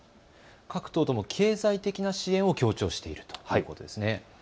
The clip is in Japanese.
各党とも経済的な支援を強調しているということですね。